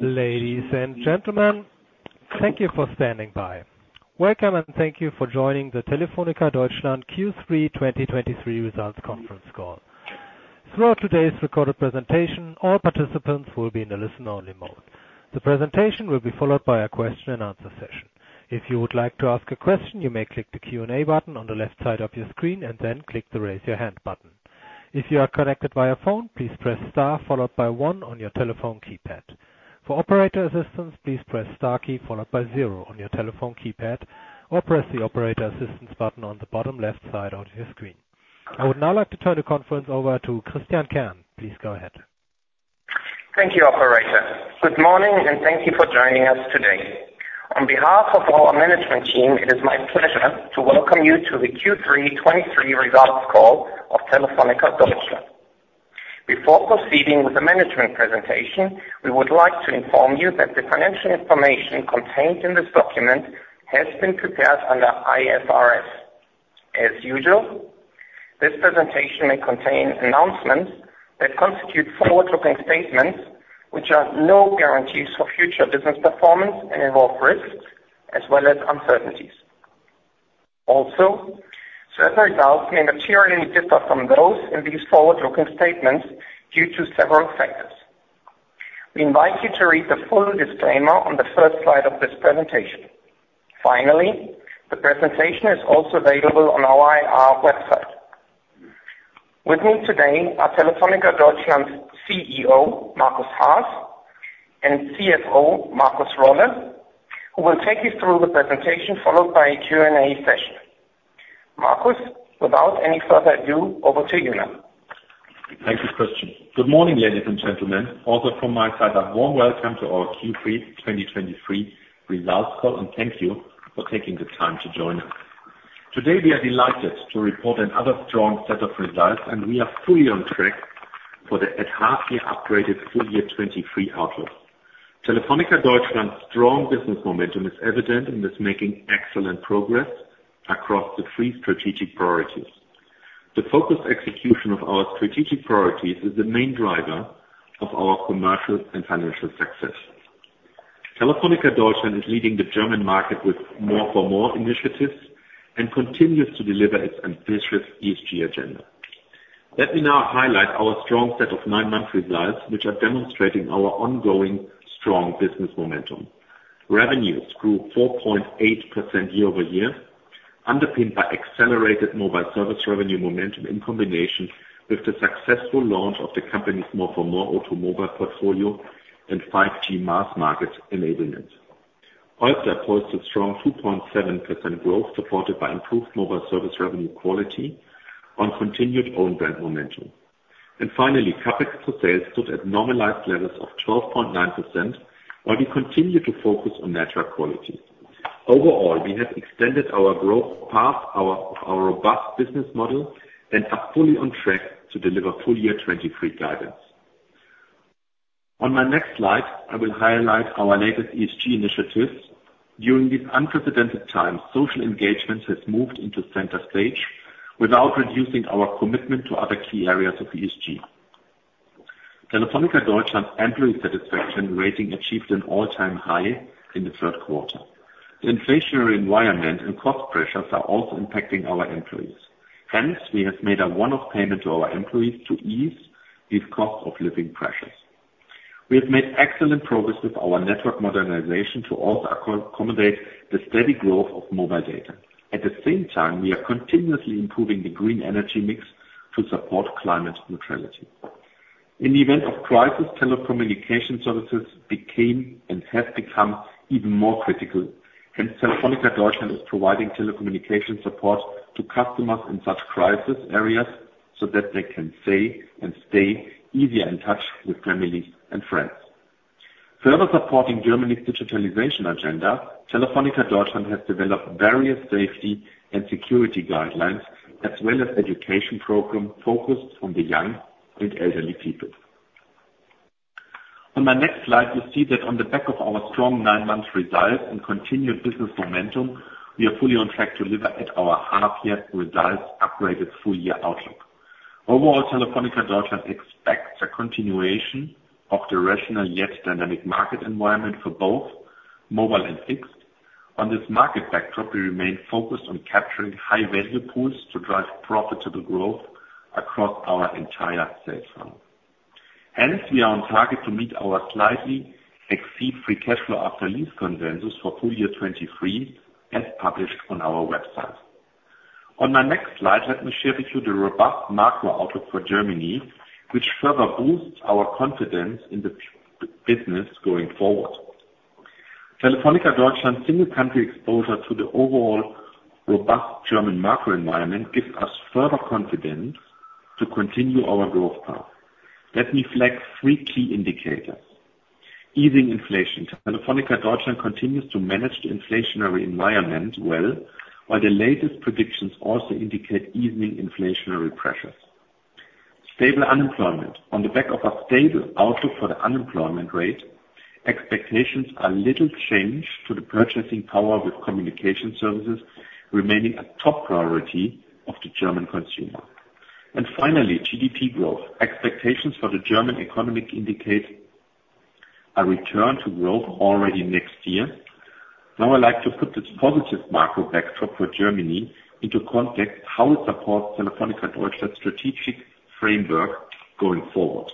Ladies and gentlemen, thank you for standing by. Welcome, and thank you for joining the Telefónica Deutschland Q3 2023 Results Conference Call. Throughout today's recorded presentation, all participants will be in a listen-only mode. The presentation will be followed by a question and answer session. If you would like to ask a question, you may click the Q&A button on the left side of your screen and then click the Raise Your Hand button. If you are connected via phone, please press Star followed by one on your telephone keypad. For operator assistance, please press Star key followed by zero on your telephone keypad, or press the Operator Assistance button on the bottom left side of your screen. I would now like to turn the conference over to Christian Kern. Please go ahead. Thank you, operator. Good morning, and thank you for joining us today. On behalf of our management team, it is my pleasure to welcome you to the Q3 2023 results call of Telefónica Deutschland. Before proceeding with the management presentation, we would like to inform you that the financial information contained in this document has been prepared under IFRS. As usual, this presentation may contain announcements that constitute forward-looking statements, which are no guarantees for future business performance and involve risks as well as uncertainties. Also, certain results may materially differ from those in these forward-looking statements due to several factors. We invite you to read the full disclaimer on the first slide of this presentation. Finally, the presentation is also available on our IR website. With me today are Telefónica Deutschland's CEO, Markus Haas, and CFO, Markus Rolle, who will take you through the presentation, followed by a Q&A session. Markus, without any further ado, over to you now. Thank you, Christian. Good morning, ladies and gentlemen. Also from my side, a warm welcome to our Q3 2023 results call, and thank you for taking the time to join us. Today, we are delighted to report another strong set of results, and we are fully on track for the at half year upgraded full year 2023 outlook. Telefónica Deutschland's strong business momentum is evident and is making excellent progress across the three strategic priorities. The focused execution of our strategic priorities is the main driver of our commercial and financial success. Telefónica Deutschland is leading the German market with More for More initiatives and continues to deliver its ambitious ESG agenda. Let me now highlight our strong set of nine-month results, which are demonstrating our ongoing strong business momentum. Revenues grew 4.8% year over year, underpinned by accelerated mobile service revenue momentum in combination with the successful launch of the company's More for More O2 Mobile portfolio and 5G mass market enablement. OIBDA posted strong 2.7% growth, supported by improved mobile service revenue quality on continued own brand momentum. And finally, CapEx for sales stood at normalized levels of 12.9%, while we continue to focus on network quality. Overall, we have extended our growth path, our, our robust business model, and are fully on track to deliver full year 2023 guidance. On my next slide, I will highlight our latest ESG initiatives. During these unprecedented times, social engagement has moved into center stage without reducing our commitment to other key areas of ESG. Telefónica Deutschland employee satisfaction rating achieved an all-time high in the third quarter. The inflationary environment and cost pressures are also impacting our employees. Hence, we have made a one-off payment to our employees to ease these cost of living pressures. We have made excellent progress with our network modernization to also accommodate the steady growth of mobile data. At the same time, we are continuously improving the green energy mix to support climate neutrality. In the event of crisis, telecommunication services became and have become even more critical, and Telefónica Deutschland is providing telecommunication support to customers in such crisis areas so that they can say and stay easier in touch with families and friends. Further supporting Germany's digitalization agenda, Telefónica Deutschland has developed various safety and security guidelines, as well as education program focused on the young and elderly people. On my next slide, you see that on the back of our strong nine month results and continued business momentum, we are fully on track to deliver on our half-year results upgraded full-year outlook. Overall, Telefónica Deutschland expects a continuation of the rational yet dynamic market environment for both mobile and fixed. On this market backdrop, we remain focused on capturing high-value pools to drive profitable growth across our entire sales funnel. Hence, we are on target to meet or slightly exceed free cash flow after lease consensus for full-year 2023, as published on our website. On my next slide, let me share with you the robust macro outlook for Germany, which further boosts our confidence in the B2B business going forward. Telefónica Deutschland's single country exposure to the overall robust German macro environment gives us further confidence to continue our growth path. Let me flag three key indicators. Easing inflation. Telefónica Deutschland continues to manage the inflationary environment well, while the latest predictions also indicate easing inflationary pressures. Stable unemployment. On the back of a stable outlook for the unemployment rate, expectations are little change to the purchasing power, with communication services remaining a top priority of the German consumer.... And finally, GDP growth. Expectations for the German economy indicate a return to growth already next year. Now, I'd like to put this positive macro backdrop for Germany into context, how it supports Telefónica Deutschland's strategic framework going forward.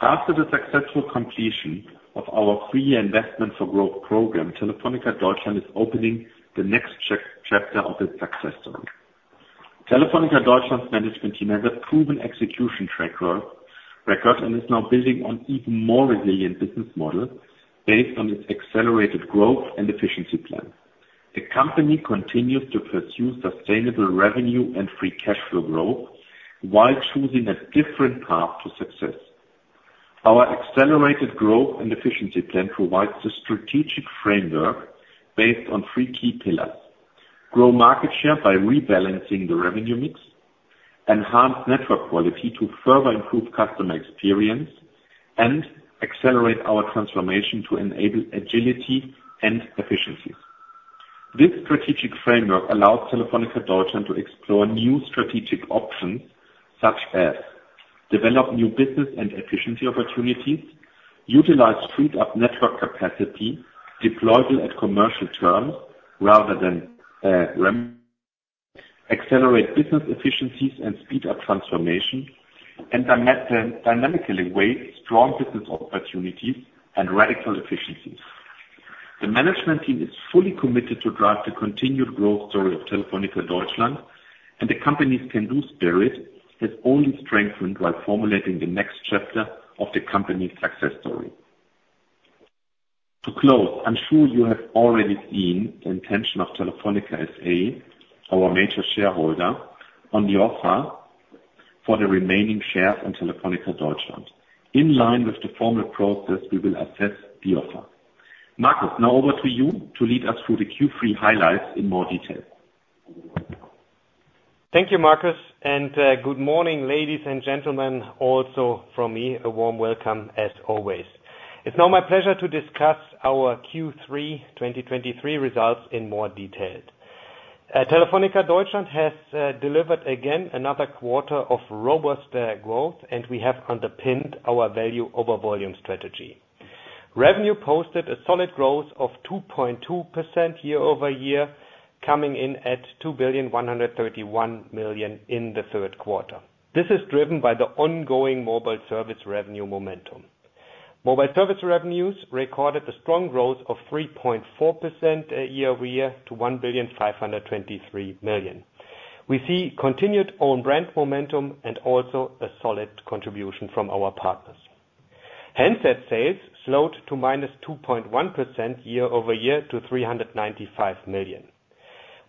After the successful completion of our three-year Investment for Growth program, Telefónica Deutschland is opening the next chapter of its success story. Telefónica Deutschland's management team has a proven execution track record, and is now building on even more resilient business model based on its accelerated growth and efficiency plan. The company continues to pursue sustainable revenue and free cash flow growth, while choosing a different path to success. Our accelerated growth and efficiency plan provides a strategic framework based on three key pillars: grow market share by rebalancing the revenue mix, enhance network quality to further improve customer experience, and accelerate our transformation to enable agility and efficiencies. This strategic framework allows Telefónica Deutschland to explore new strategic options, such as develop new business and efficiency opportunities, utilize freed up network capacity, deploy them at commercial terms rather than accelerate business efficiencies and speed up transformation, and dynamically weigh strong business opportunities and radical efficiencies. The management team is fully committed to drive the continued growth story of Telefónica Deutschland, and the company's can-do spirit has only strengthened while formulating the next chapter of the company's success story. To close, I'm sure you have already seen the intention of Telefónica S.A., our major shareholder, on the offer for the remaining shares in Telefónica Deutschland. In line with the formal process, we will assess the offer. Markus, now over to you to lead us through the Q3 highlights in more detail. Thank you, Markus, and good morning, ladies and gentlemen. Also from me, a warm welcome as always. It's now my pleasure to discuss our Q3 2023 results in more detail. Telefónica Deutschland has delivered again another quarter of robust growth, and we have underpinned our value over volume strategy. Revenue posted a solid growth of 2.2% year-over-year, coming in at 2,131 million in the third quarter. This is driven by the ongoing mobile service revenue momentum. Mobile service revenues recorded a strong growth of 3.4% year-over-year to 1,523 million. We see continued own brand momentum and also a solid contribution from our partners. Handset sales slowed to -2.1% year-over-year to 395 million,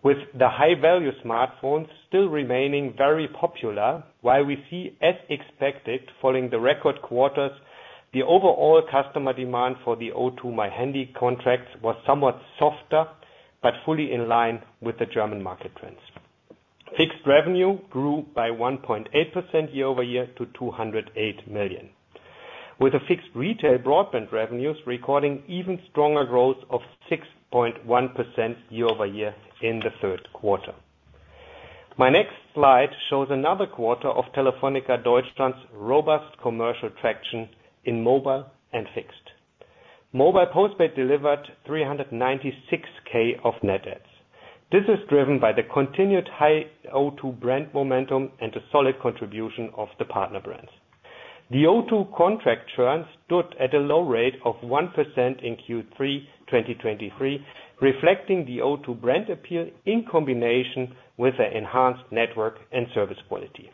with the high-value smartphones still remaining very popular, while we see, as expected, following the record quarters, the overall customer demand for the O2 My Handy contracts was somewhat softer, but fully in line with the German market trends. Fixed revenue grew by 1.8% year-over-year to 208 million, with the fixed retail broadband revenues recording even stronger growth of 6.1% year-over-year in the third quarter. My next slide shows another quarter of Telefónica Deutschland's robust commercial traction in mobile and fixed. Mobile postpaid delivered 396K of net adds. This is driven by the continued high O2 brand momentum and the solid contribution of the partner brands. The O2 contract churn stood at a low rate of 1% in Q3 2023, reflecting the O2 brand appeal in combination with an enhanced network and service quality.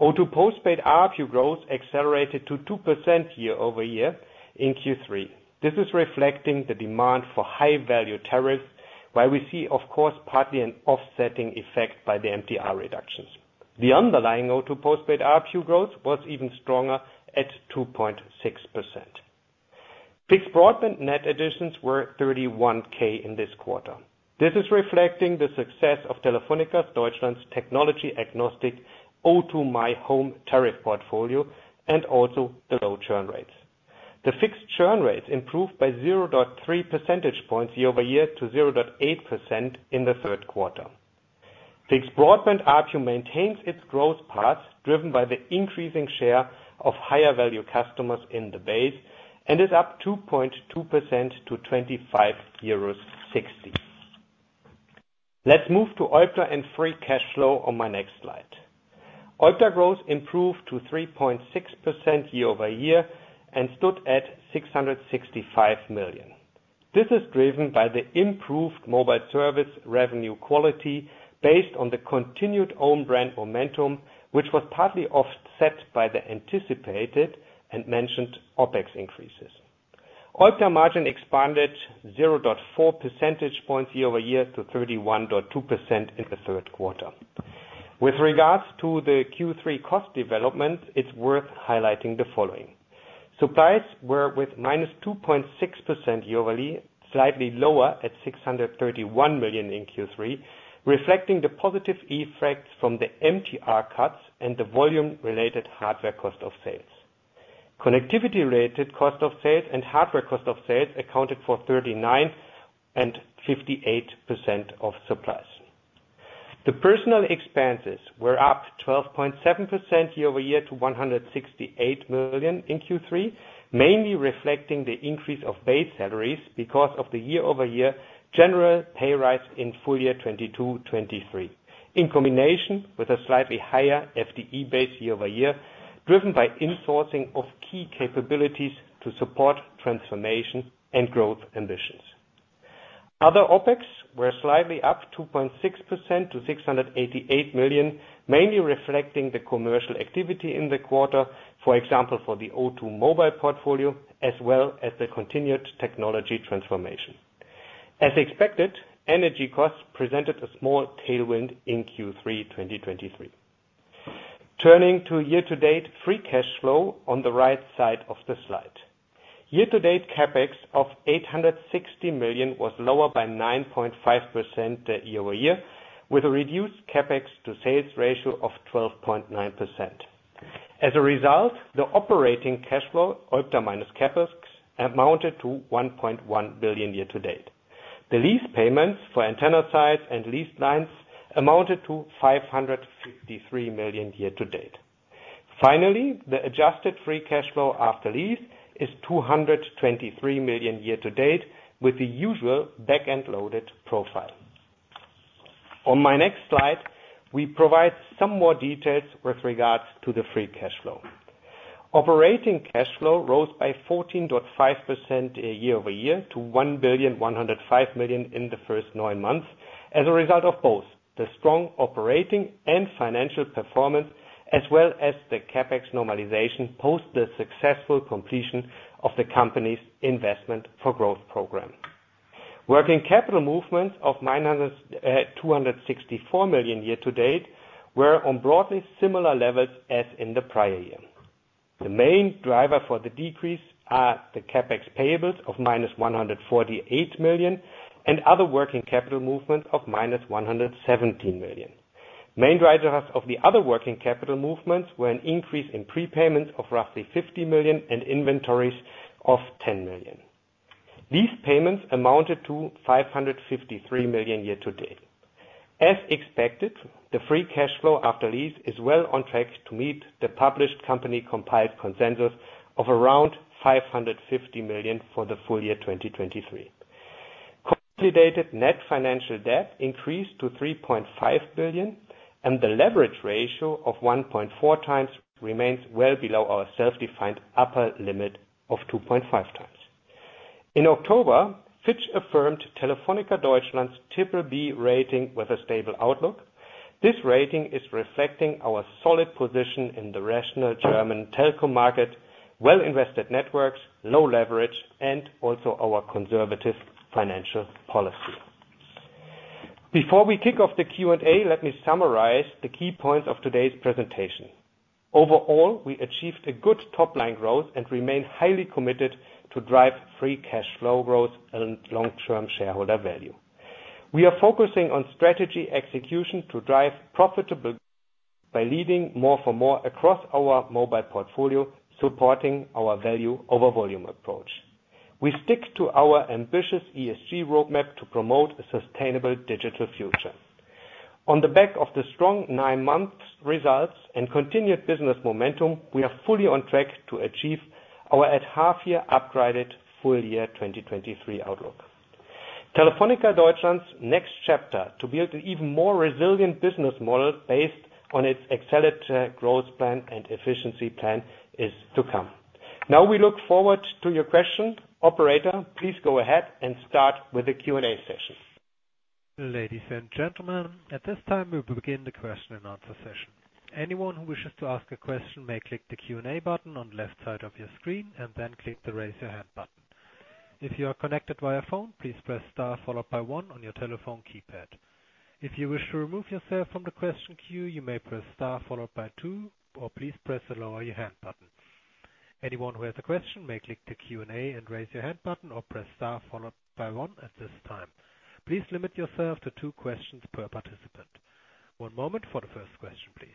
O2 postpaid ARPU growth accelerated to 2% year-over-year in Q3. This is reflecting the demand for high-value tariffs, while we see, of course, partly an offsetting effect by the MTR reductions. The underlying O2 postpaid ARPU growth was even stronger at 2.6%. Fixed broadband net additions were 31K in this quarter. This is reflecting the success of Telefónica Deutschland's technology-agnostic O2 My Home tariff portfolio, and also the low churn rates. The fixed churn rates improved by 0.3 percentage points year-over-year to 0.8% in the third quarter. Fixed broadband ARPU maintains its growth path, driven by the increasing share of higher-value customers in the base, and is up 2.2% to 25.60 euros. Let's move to OIBDA and free cash flow on my next slide. OIBDA growth improved to 3.6% year-over-year and stood at 665 million. This is driven by the improved mobile service revenue quality based on the continued own brand momentum, which was partly offset by the anticipated and mentioned OpEx increases. OIBDA margin expanded 0.4 percentage points year-over-year to 31.2% in the third quarter. With regards to the Q3 cost development, it's worth highlighting the following: Supplies were, with -2.6% year-over-year, slightly lower at 631 million in Q3, reflecting the positive effects from the MTR cuts and the volume-related hardware cost of sales.... Connectivity related cost of sales and hardware cost of sales accounted for 39% and 58% of supplies. Personnel expenses were up 12.7% year-over-year to 168 million in Q3, mainly reflecting the increase of base salaries because of the year-over-year general pay rise in full year 2022, 2023, in combination with a slightly higher FTE base year-over-year, driven by in-sourcing of key capabilities to support transformation and growth ambitions. Other OpEx were slightly up 2.6% to 688 million, mainly reflecting the commercial activity in the quarter, for example, for the O2 Mobile portfolio, as well as the continued technology transformation. As expected, energy costs presented a small tailwind in Q3 2023. Turning to year-to-date, free cash flow on the right side of the slide. Year-to-date CapEx of 860 million was lower by 9.5% year-over-year, with a reduced CapEx to sales ratio of 12.9%. As a result, the operating cash flow, OIBDA minus CapEx, amounted to 1.1 billion year-to-date. The lease payments for antenna sites and lease lines amounted to 553 million year-to-date. Finally, the adjusted free cash flow after lease is 223 million year-to-date, with the usual back-end loaded profile. On my next slide, we provide some more details with regards to the free cash flow. Operating cash flow rose by 14.5% year-over-year to 1,105 million in the first nine months, as a result of both the strong operating and financial performance, as well as the CapEx normalization post the successful completion of the company's investment for growth program. Working capital movements of -264 million year-to-date were on broadly similar levels as in the prior year. The main driver for the decrease are the CapEx payables of -148 million, and other working capital movement of -117 million. Main drivers of the other working capital movements were an increase in prepayments of roughly 50 million and inventories of 10 million. These payments amounted to 553 million year-to-date. As expected, the free cash flow after lease is well on track to meet the published company compiled consensus of around 550 million for the full year 2023. Consolidated net financial debt increased to 3.5 billion, and the leverage ratio of 1.4x remains well below our self-defined upper limit of 2.5x. In October, Fitch affirmed Telefónica Deutschland's triple B rating with a stable outlook. This rating is reflecting our solid position in the rational German telco market, well-invested networks, low leverage, and also our conservative financial policy. Before we kick off the Q&A, let me summarize the key points of today's presentation. Overall, we achieved a good top-line growth and remain highly committed to drive free cash flow growth and long-term shareholder value. We are focusing on strategy execution to drive profitable by leading More for More across our mobile portfolio, supporting our value over volume approach. We stick to our ambitious ESG roadmap to promote a sustainable digital future. On the back of the strong nine-month results and continued business momentum, we are fully on track to achieve our at half year upgraded full year 2023 outlook. Telefónica Deutschland's next chapter, to build an even more resilient business model based on its accelerated growth plan and efficiency plan, is to come. Now, we look forward to your questions. Operator, please go ahead and start with the Q&A session. Ladies and gentlemen, at this time, we will begin the question and answer session. Anyone who wishes to ask a question may click the Q&A button on the left side of your screen and then click the Raise Your Hand button. If you are connected via phone, please press star followed by one on your telephone keypad. If you wish to remove yourself from the question queue, you may press star followed by two or please press the Lower Your Hand button. Anyone who has a question may click the Q&A and Raise Your Hand button or press star followed by one at this time. Please limit yourself to two questions per participant. One moment for the first question, please.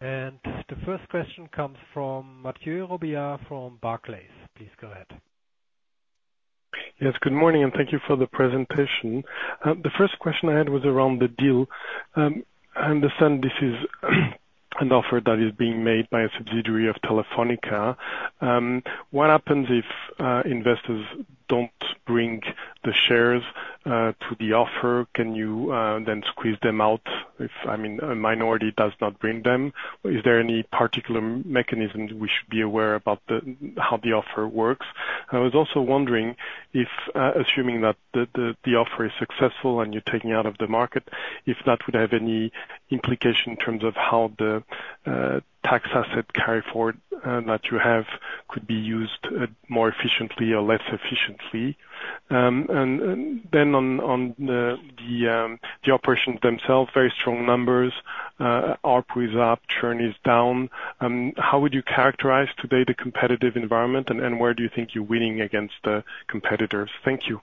The first question comes from Mathieu Robillard from Barclays. Please go ahead. Yes, good morning, and thank you for the presentation. The first question I had was around the deal. I understand this is an offer that is being made by a subsidiary of Telefónica. What happens if investors don't bring the shares to the offer? Can you then squeeze them out if, I mean, a minority does not bring them? Is there any particular mechanism we should be aware about how the offer works? I was also wondering if, assuming that the offer is successful and you're taking out of the market, if that would have any implication in terms of how the tax asset carry forward that you have could be used more efficiently or less efficiently? And then on the operations themselves, very strong numbers, ARPU is up, churn is down. How would you characterize today the competitive environment, and where do you think you're winning against the competitors? Thank you.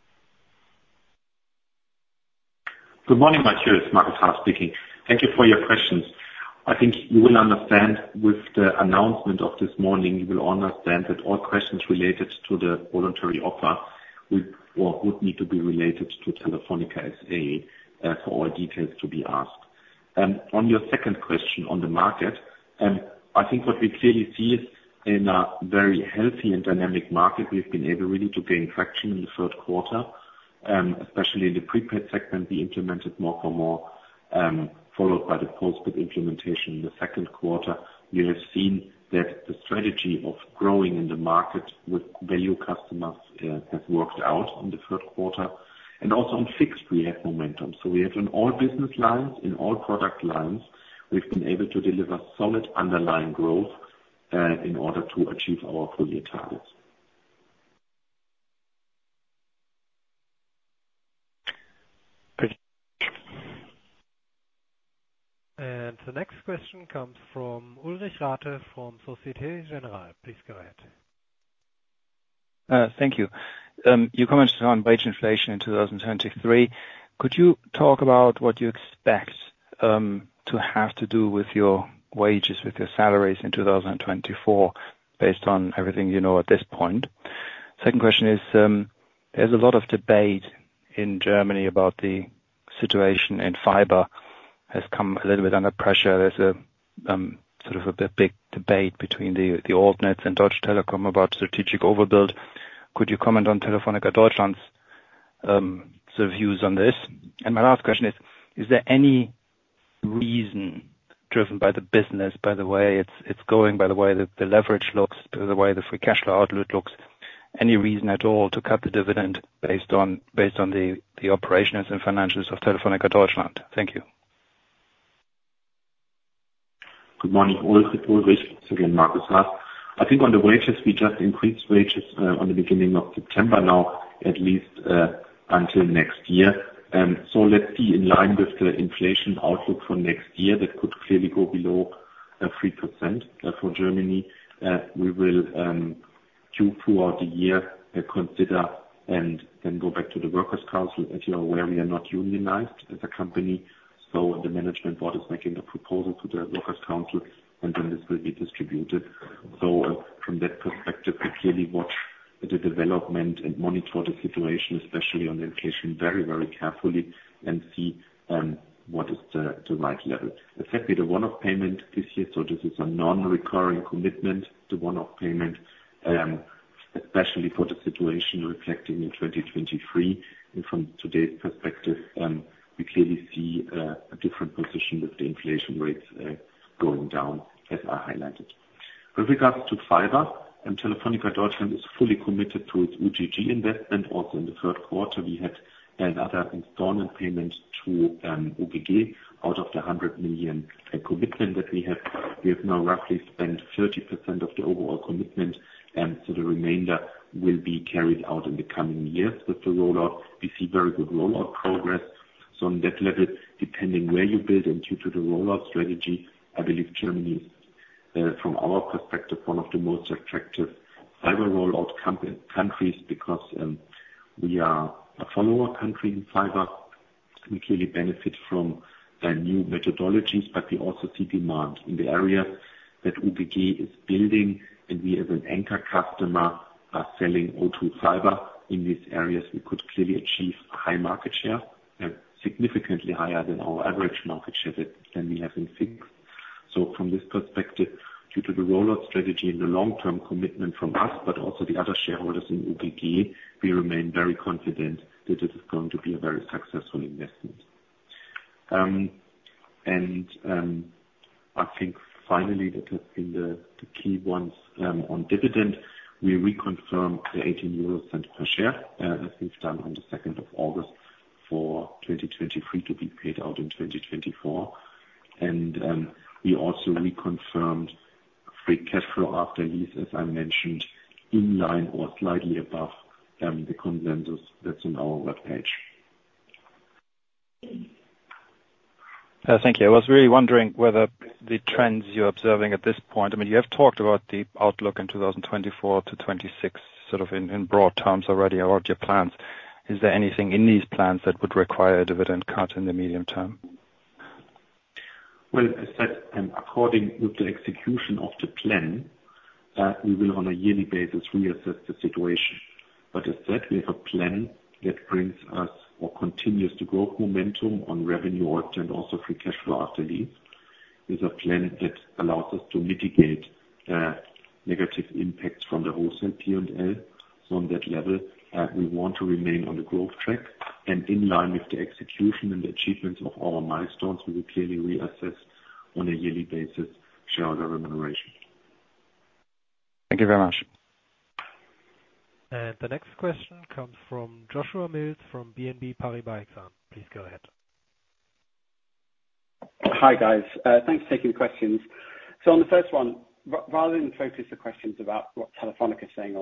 Good morning, everyone, Markus Haas speaking. Thank you for your questions. I think you will understand with the announcement of this morning, you will understand that all questions related to the voluntary offer will or would need to be related to Telefónica S.A. for all details to be asked. On your second question on the market, I think what we clearly see is in a very healthy and dynamic market, we've been able really to gain traction in the third quarter, especially in the prepaid segment, we implemented More for More, followed by the postpaid implementation. In the second quarter, we have seen that the strategy of growing in the market with value customers has worked out in the third quarter, and also on fixed, we have momentum. We have on all business lines, in all product lines, we've been able to deliver solid underlying growth, in order to achieve our full year targets. Thank you. The next question comes from Ulrich Rathe from Société Générale. Please go ahead. Thank you. You commented on wage inflation in 2023. Could you talk about what you expect to have to do with your wages, with your salaries in 2024, based on everything you know at this point? Second question is, there's a lot of debate in Germany about the situation, and fiber has come a little bit under pressure. There's a sort of a big debate between the altnets and Deutsche Telekom about strategic overbuild. Could you comment on Telefónica Deutschland's sort of views on this? My last question is, is there any reason, driven by the business, by the way it's going, by the way the leverage looks, the way the free cash flow outlook looks, any reason at all to cut the dividend based on the operations and financials of Telefónica Deutschland? Thank you. Good morning, Ulrich, Ulrich. It's again, Markus Haas. I think on the wages, we just increased wages on the beginning of September now, at least until next year. So let's be in line with the inflation outlook for next year. That could clearly go below 3% for Germany. We will tune throughout the year and consider and then go back to the Workers' Council. As you are aware, we are not unionized as a company, so the management board is making a proposal to the Workers' Council, and then this will be distributed. So from that perspective, we clearly watch the development and monitor the situation, especially on inflation, very, very carefully, and see what is the right level. Especially the one-off payment this year, so this is a non-recurring commitment, the one-off payment, especially for the situation reflecting in 2023. From today's perspective, we clearly see a different position with the inflation rates going down as I highlighted. With regards to fiber, Telefónica Deutschland is fully committed to its UGG investment. Also, in the third quarter, we had another installment payment to UGG out of the 100 million commitment that we have. We have now roughly spent 30% of the overall commitment, and so the remainder will be carried out in the coming years with the rollout. We see very good rollout progress. So on that level, depending where you build and due to the rollout strategy, I believe Germany, from our perspective, one of the most attractive fiber rollout countries, because we are a follower country in fiber. We clearly benefit from new methodologies, but we also see demand in the areas that UGG is building, and we, as an anchor customer, are selling O2 fiber. In these areas, we could clearly achieve a high market share, significantly higher than our average market share that, than we have in fixed. So from this perspective, due to the rollout strategy and the long-term commitment from us, but also the other shareholders in UGG, we remain very confident that it is going to be a very successful investment. And I think finally, that has been the key ones. On dividend, we reconfirm the 0.18 per share, as we've done on the second of August for 2023 to be paid out in 2024. We also reconfirmed free cash flow after lease, as I mentioned, in line or slightly above the consensus that's on our webpage. Thank you. I was really wondering whether the trends you're observing at this point, I mean, you have talked about the outlook in 2024-2026, sort of in broad terms already, about your plans. Is there anything in these plans that would require a dividend cut in the medium term? Well, as said, and according with the execution of the plan, we will, on a yearly basis, reassess the situation. But as said, we have a plan that brings us or continues to grow momentum on revenue out and also free cash flow after lease, with a plan that allows us to mitigate, negative impacts from the wholesale P&L. So on that level, we want to remain on the growth track. And in line with the execution and achievement of our milestones, we will clearly reassess on a yearly basis, shareholder remuneration. Thank you very much. The next question comes from Joshua Mills from BNP Paribas Exane. Please go ahead. Hi, guys. Thanks for taking the questions. So on the first one, rather than focus the questions about what Telefónica is saying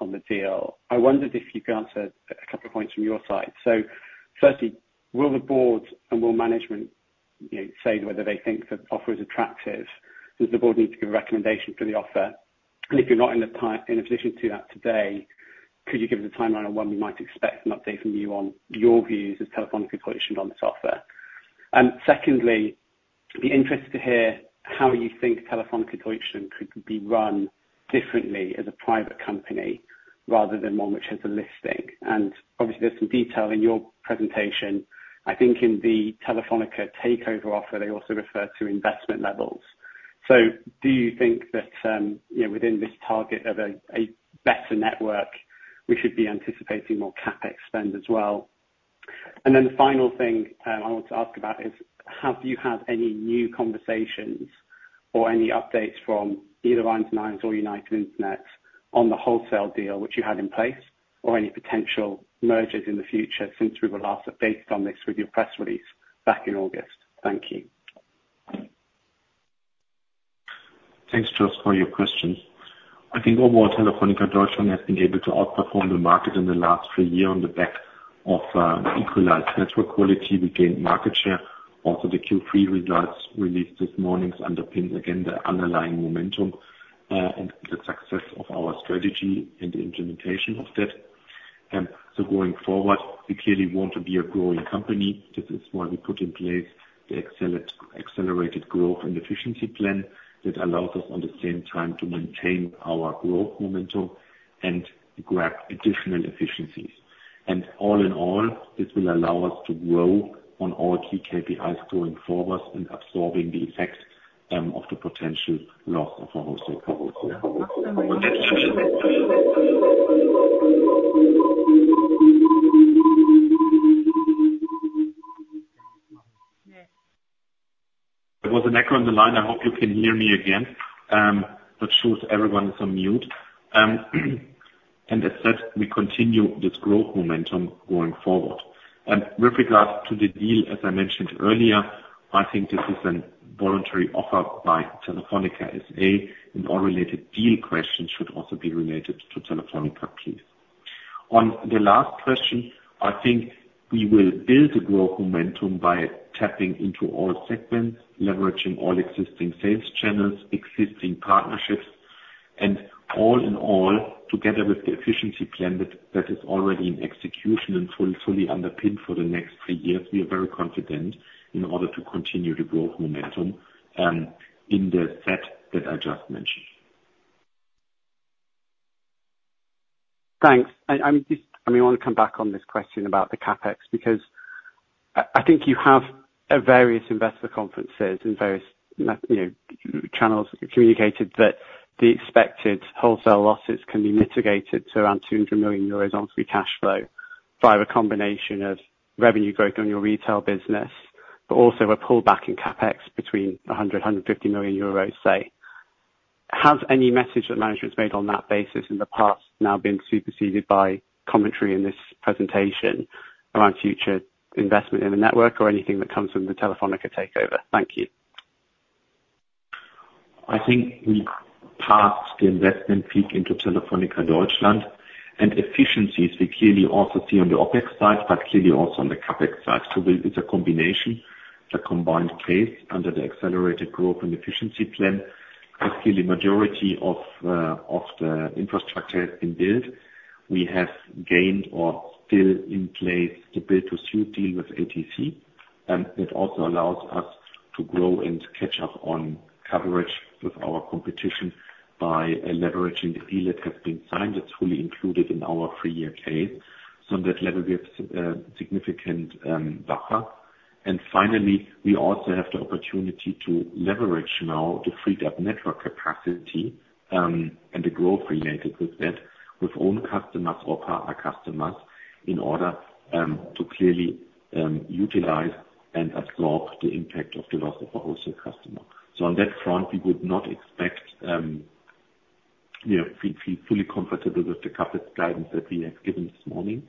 on the deal, I wondered if you could answer a couple of points from your side. So firstly, will the board and will management, you know, say whether they think the offer is attractive? Does the board need to give a recommendation for the offer? And if you're not in a position to do that today, could you give us a timeline on when we might expect an update from you on your views of Telefónica's position on the offer? And secondly, I'd be interested to hear how you think Telefónica Deutschland could be run differently as a private company, rather than one which has a listing. And obviously, there's some detail in your presentation. I think in the Telefónica takeover offer, they also refer to investment levels. So do you think that, you know, within this target of a better network, we should be anticipating more CapEx spend as well? And then the final thing I want to ask about is, have you had any new conversations or any updates from United Internet on the wholesale deal which you had in place, or any potential mergers in the future since we were last updated on this with your press release back in August? Thank you. Thanks, Joshua, for your questions. I think overall, Telefónica Deutschland has been able to outperform the market in the last three years on the back of equalized network quality. We gained market share, also the Q3 results released this morning underpinned again the underlying momentum and the success of our strategy and the implementation of that. So going forward, we clearly want to be a growing company. This is why we put in place the accelerated growth and efficiency plan, that allows us on the same time, to maintain our growth momentum and grab additional efficiencies. And all in all, this will allow us to grow on all key KPIs going forward and absorbing the effects of the potential loss of our wholesale. There was an echo on the line. I hope you can hear me again. That shows everyone is on mute. As said, we continue this growth momentum going forward. With regards to the deal, as I mentioned earlier, I think this is a voluntary offer by Telefónica S.A., and all related deal questions should also be related to Telefónica, please. On the last question, I think we will build the growth momentum by tapping into all segments, leveraging all existing sales channels, existing partnerships. All in all, together with the efficiency plan that is already in execution and fully underpinned for the next three years, we are very confident in order to continue the growth momentum, in the set that I just mentioned. Thanks. I'm just—I mean, I want to come back on this question about the CapEx, because I think you have at various investor conferences and various, you know, channels communicated that the expected wholesale losses can be mitigated to around 200 million euros on free cash flow, by a combination of revenue growth on your retail business, but also a pullback in CapEx between 100 million euros and 150 million euros, say. Has any message that management's made on that basis in the past now been superseded by commentary in this presentation, around future investment in the network or anything that comes from the Telefónica takeover? Thank you. I think we passed the investment peak into Telefónica Deutschland, and efficiencies, we clearly also see on the OpEx side, but clearly also on the CapEx side. So it's a combination, the combined case under the accelerated growth and efficiency plan. Actually, the majority of the infrastructure has been built. We have gained or still in place, the build-to-suit deal with ATC. It also allows us to grow and catch up on coverage with our competition by leveraging the deal that has been signed. It's fully included in our three-year case. So on that level, we have significant buffer. And finally, we also have the opportunity to leverage now the freed up network capacity and the growth related with that, with own customers or partner customers, in order to clearly utilize and absorb the impact of the loss of a wholesale customer. So on that front, we would not expect, you know, feel feel fully comfortable with the CapEx guidance that we have given this morning,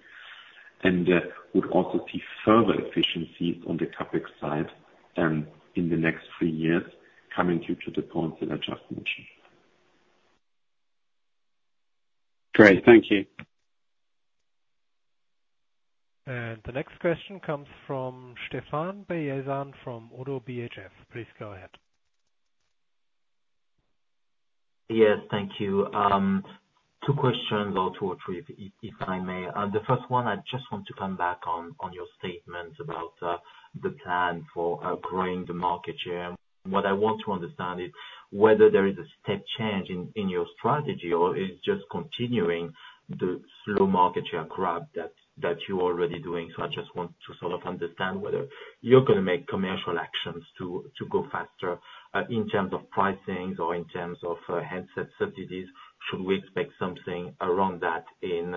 and would also see further efficiencies on the CapEx side in the next three years, coming due to the points that I just mentioned. Great. Thank you. The next question comes from Stéphane Beyazian from ODDO BHF. Please go ahead. Yes, thank you. Two questions or two or three, if I may. The first one, I just want to come back on, on your statement about, the plan for, growing the market share. What I want to understand is, whether there is a step change in, in your strategy, or is just continuing the slow market share grab that, that you're already doing. So I just want to sort of understand whether you're gonna make commercial actions to, to go faster, in terms of pricings or in terms of, headset subsidies. Should we expect something around that in,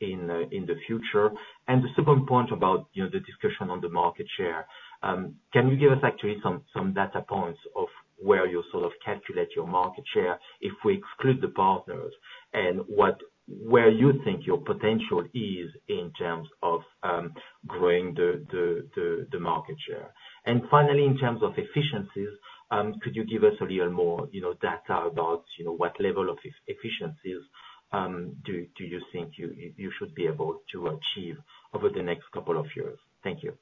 in, in the future? And the second point about, you know, the discussion on the market share. Can you give us actually some data points of where you sort of calculate your market share, if we exclude the partners, and what—where you think your potential is in terms of growing the market share? And finally, in terms of efficiencies, could you give us a little more, you know, data about, you know, what level of efficiencies do you think you should be able to achieve over the next couple of years? Thank you....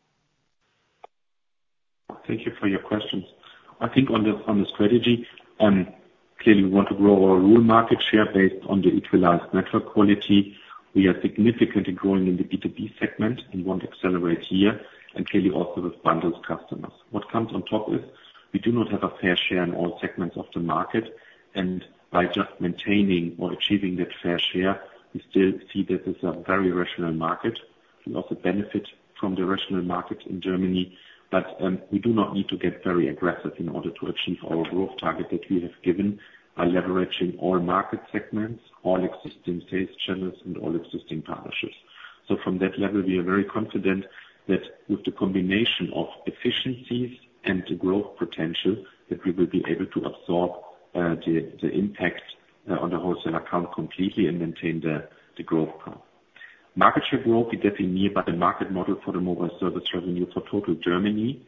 Thank you for your questions. I think on the, on the strategy, clearly, we want to grow our rural market share based on the utilized network quality. We are significantly growing in the B2B segment and want to accelerate here, and clearly also with bundles customers. What comes on top is, we do not have a fair share in all segments of the market, and by just maintaining or achieving that fair share, we still see that it's a very rational market. We also benefit from the rational market in Germany, but, we do not need to get very aggressive in order to achieve our growth target that we have given, leveraging all market segments, all existing sales channels and all existing partnerships. So from that level, we are very confident that with the combination of efficiencies and the growth potential, that we will be able to absorb the impact on the wholesale account completely and maintain the growth path. Market share growth is definitely near, but the market model for the mobile service revenue for total Germany,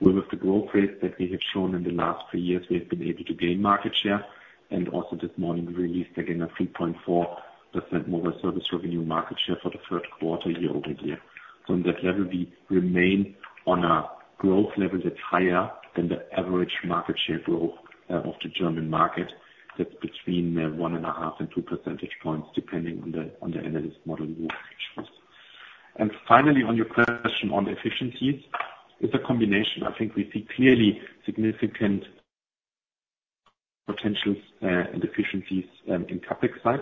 where with the growth rate that we have shown in the last three years, we have been able to gain market share. And also this morning, we released again a 3.4% mobile service revenue market share for the third quarter year-over-year. From that level, we remain on a growth level that's higher than the average market share growth of the German market. That's between 1.5 and 2 percentage points, depending on the analyst model you choose. Finally, on your question on efficiencies, it's a combination. I think we see clearly significant potentials and efficiencies in CapEx side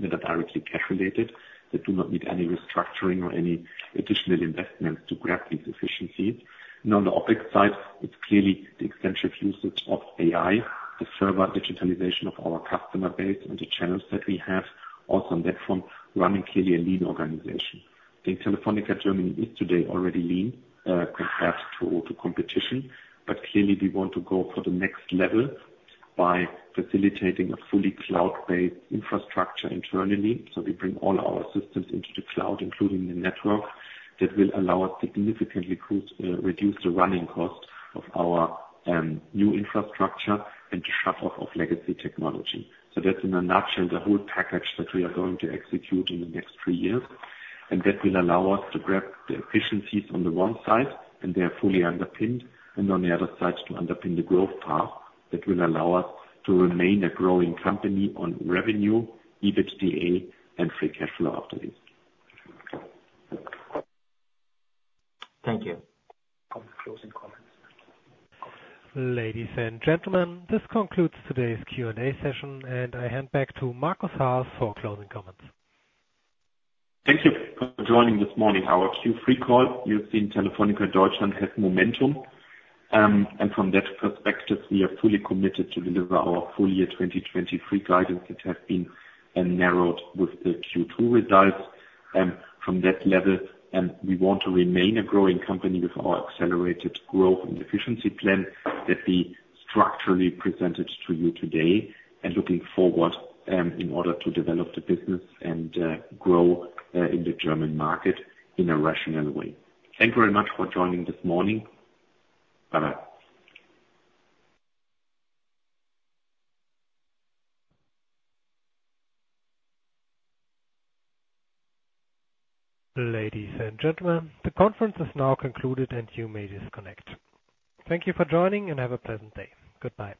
that are directly cash related, that do not need any restructuring or any additional investments to grab these efficiencies. And on the OpEx side, it's clearly the extensive usage of AI, the server digitalization of our customer base, and the channels that we have. Also, on that front, running clearly a lean organization. I think Telefónica Germany is today already lean compared to, to competition, but clearly we want to go for the next level by facilitating a fully cloud-based infrastructure internally. So we bring all our systems into the cloud, including the network, that will allow us to significantly reduce the running costs of our new infrastructure and the shut off of legacy technology. That's in a nutshell, the whole package that we are going to execute in the next three years. That will allow us to grab the efficiencies on the one side, and they are fully underpinned. On the other side, to underpin the growth path that will allow us to remain a growing company on revenue, EBITDA, and free cash flow after this. Thank you. Closing comments. Ladies and gentlemen, this concludes today's Q&A session, and I hand back to Markus Haas for closing comments. Thank you for joining this morning, our Q3 call. You've seen Telefónica Deutschland has momentum, and from that perspective, we are fully committed to deliver our full year 2023 guidance that has been narrowed with the Q2 results. From that level, and we want to remain a growing company with our accelerated growth and efficiency plan that we structurally presented to you today, and looking forward, in order to develop the business and grow in the German market in a rational way. Thank you very much for joining this morning. Bye-bye. Ladies and gentlemen, the conference is now concluded, and you may disconnect. Thank you for joining and have a pleasant day. Goodbye.